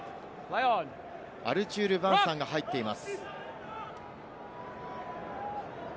アルチュール・ヴァンサンさんが入っています。